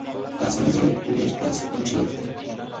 আজ নিজে ওদের ক্লাসে বসিয়ে এসেছি।